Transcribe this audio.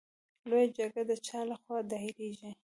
لویه جرګه د چا له خوا دایریږي؟